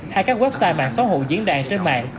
hay các website mạng xóa hụ diễn đàn trên mạng